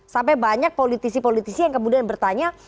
sampai banyak politisi politisi yang kemudian bertanya